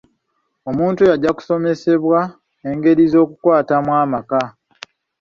Omuntu oyo ajja kusomesebwa engeri z'okukwatamu amaka.